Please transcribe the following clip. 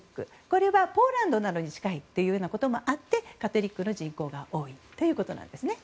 これはポーランドなどに近いということもあってカトリックの人口が多いということです。